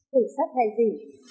thủy sắt hay gì